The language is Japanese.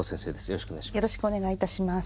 よろしくお願いします。